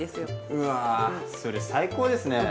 うわそれ最高ですね。